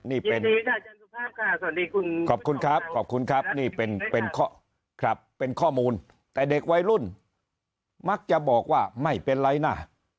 ยินดีครับสวัสดีคุณครับขอบคุณครับนี่เป็นข้อมูลแต่เด็กวัยรุ่นมักจะบอกว่าไม่เป็นไรนะ